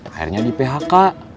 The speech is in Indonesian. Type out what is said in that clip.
akhirnya di phk